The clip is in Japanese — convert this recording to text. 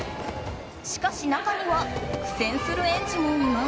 しかし、中には苦戦する園児もいます。